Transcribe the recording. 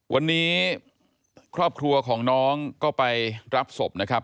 วันนี้ครอบครัวของน้องก็ไปรับศพนะครับ